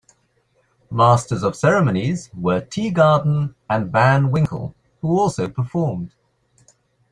Masters of ceremonies were Teegarden and Van Winkle, who also performed.